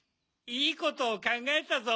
いいことをかんがえたぞ！